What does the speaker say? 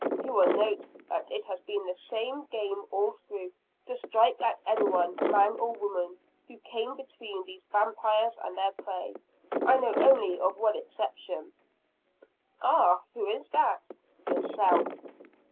You will note that it has been the game all through to strike at any one, man or woman, who came between these vampires and their prey. I know of only one exception." "Ah, who is that?" "Yourself."